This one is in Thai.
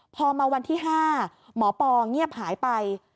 พอมาวันที่๕หมอปอเงียบหายไป